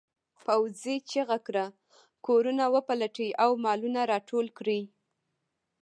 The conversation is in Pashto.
پوځي چیغه کړه کورونه وپلټئ او مالونه راټول کړئ.